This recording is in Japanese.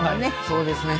そうですね